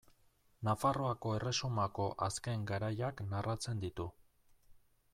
Nafarroako erresumako azken garaiak narratzen ditu.